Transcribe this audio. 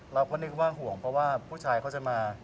เราก็นึกว่าห่วงเพราะว่าผู้ชายเขาจะมา